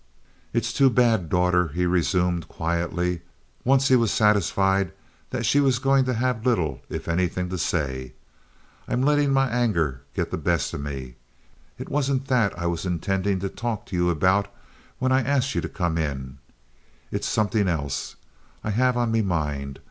"It's too bad, daughter," he resumed quietly, once he was satisfied that she was going to have little, if anything, to say. "I'm lettin' my anger get the best of me. It wasn't that I intended talkin' to ye about when I ast ye to come in. It's somethin' else I have on me mind.